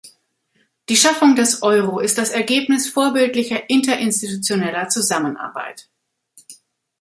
Die Schaffung des Euro ist das Ergebnis vorbildlicher interinstitutioneller Zusammenarbeit.